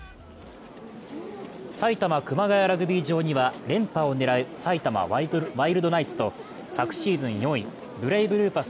埼玉・熊谷ラグビー場には連覇を狙う埼玉ワイルドナイツと昨シーズン４位・ブレイブルーパス